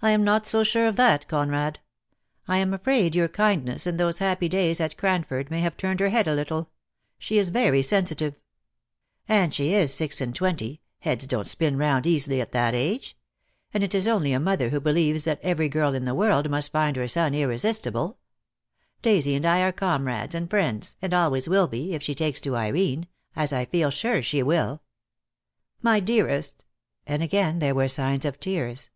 "I am not so sure of that, Conrad. I am afraid your kindness in those happy days at Cranford may have turned her head a little. She is very sensitive." "And she is six and twenty — heads don't spin round easily at that age — and it is only a mother DEAD LOVE HAS CHAINS. IQI who believes that every girl in the world must find her son irresistible. Daisy and I are comrades and friends, and always will be, if she takes to Irene; as I feel sure she will." "My dearest," and again there were signs of tears.